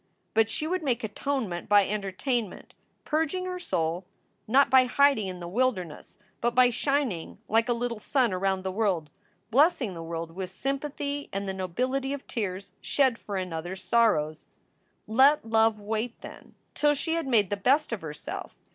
But she would make atonement by entertainment, purging her soul, not by hiding in the wilderness, but by shining like a little sun around the world, blessing the world with sympathy and the nobility of tears shed for another s sorrows. Let love wait, then, till she had made the best of herself.